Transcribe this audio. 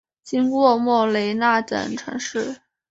经过莫雷纳等城市。